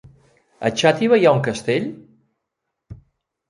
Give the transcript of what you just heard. A Xàtiva hi ha un castell?